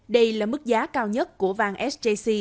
đây là mức giá cao nhất của vàng sjc